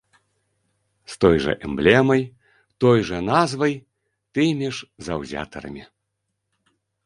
З той жа эмблемай, той жа назвай, тымі ж заўзятарамі.